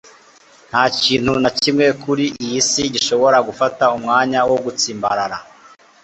nta kintu na kimwe kuri iyi si gishobora gufata umwanya wo gutsimbarara